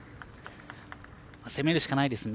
攻めるしかないですよね。